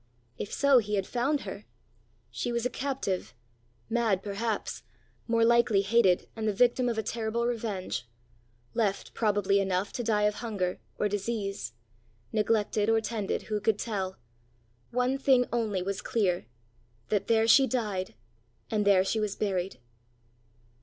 If so, he has found her! She was a captive mad perhaps, more likely hated and the victim of a terrible revenge; left, probably enough, to die of hunger, or disease neglected or tended, who could tell? One thing, only was clear that there she died, and there she was buried!